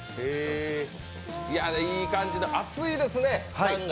いい感じで、厚いですね、タンが。